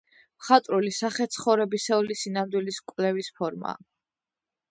მხატვრული სახე ცხოვრებისეული სინამდვილის კვლევის ფორმაა.